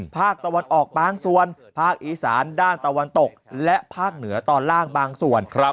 ภาคตะวันออกบางส่วนภาคอีสานด้านตะวันตกและภาคเหนือตอนล่างบางส่วน